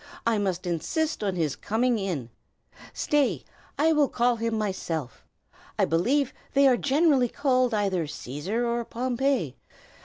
I must insist on his coming in. Stay! I will call him myself. I believe they are generally called either Cæsar or Pompey.